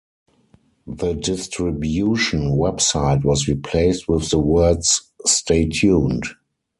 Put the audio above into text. The distribution website was replaced with the words "Stay Tuned".